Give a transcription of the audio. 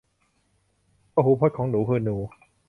พหูพจน์ของหนูคือหนู